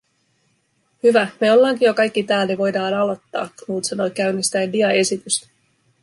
“Hyvä, me ollaanki jo kaikki tääl, ni voidaa alottaa”, Knut sanoi käynnistäen diaesitystä.